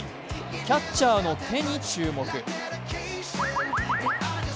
キャッチャーの手に注目。